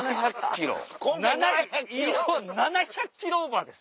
移動７００ｋｍオーバーです。